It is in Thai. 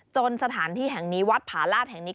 สถานที่แห่งนี้วัดผาลาศแห่งนี้